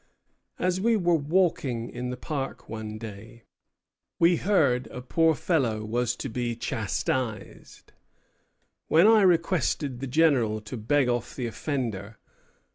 "As we were walking in the Park one day, we heard a poor fellow was to be chastised; when I requested the General to beg off the offender.